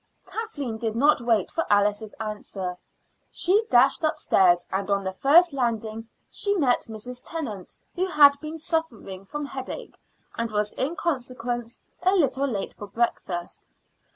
Kathleen did not wait for Alice's answer. She dashed upstairs, and on the first landing she met Mrs. Tennant, who had been suffering from headache, and was in consequence a little late for breakfast.